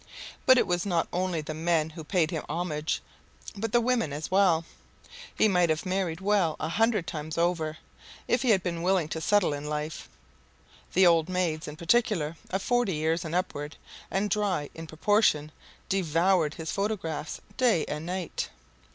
But it was not only the men who paid him homage, but the women as well. He might have married well a hundred times over, if he had been willing to settle in life. The old maids, in particular, of forty years and upward, and dry in proportion, devoured his photographs day and night.